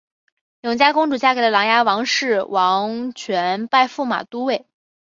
永嘉公主嫁给了琅琊王氏王铨拜驸马都尉。